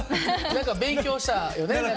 何か勉強したよね。